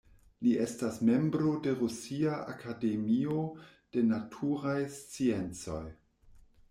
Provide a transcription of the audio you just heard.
Li estas membro de Rusia Akademio de Naturaj Sciencoj.